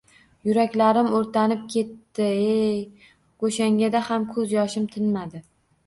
Yuraklarim oʼrtanib ketdi-ey! Goʼshangada ham koʼz yoshim tinmadi.